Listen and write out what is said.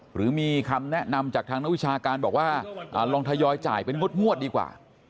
หรือมีคำแนะนำจากทางนักวิชาการบอกว่าลองทยอยจ่ายเป็นงวดดีกว่า